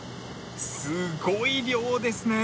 すごい量ですね。